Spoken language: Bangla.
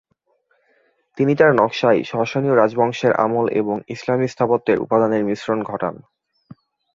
তিনি তার নকশায় সসনীয় রাজবংশের আমল এবং ইসলামী স্থাপত্যের উপাদানের মিশ্রণ ঘটান।